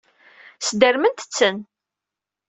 Sdermet-ten.